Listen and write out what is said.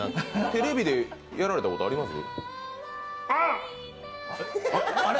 テレビでやられたことあります？